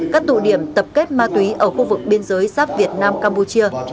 các tụ điểm tập kết ma túy ở khu vực biên giới sắp việt nam campuchia